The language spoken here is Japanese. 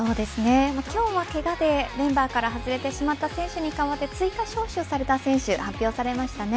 今日はけがでメンバーから外れてしまった選手に代わって追加招集された選手が発表されましたね。